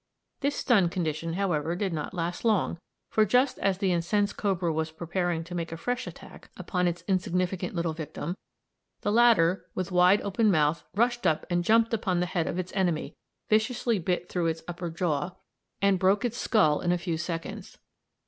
This stunned condition, however, did not last long, for just as the incensed cobra was preparing to make a fresh attack upon its insignificant little victim, the latter, with wide open mouth, rushed and jumped upon the head of its enemy, viciously bit through its upper jaw, and broke its skull in a few seconds.